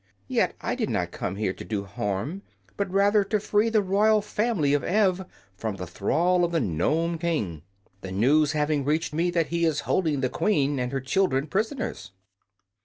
Yet I did not come here to do harm, but rather to free the royal family of Ev from the thrall of the Nome King, the news having reached me that he is holding the Queen and her children prisoners."